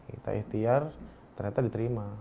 kita ikhtiar ternyata diterima